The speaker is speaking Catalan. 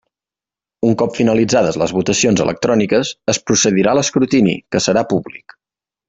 Un cop finalitzades les votacions electròniques, es procedirà a l'escrutini, que serà públic.